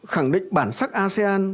khẳng định bản sắc asean